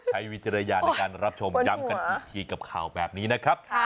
วิจารณญาณในการรับชมย้ำกันอีกทีกับข่าวแบบนี้นะครับ